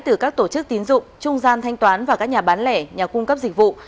từ các tổ chức tín dụng trung gian thanh toán và các nhà bán lẻ nhà cung cấp dịch vụ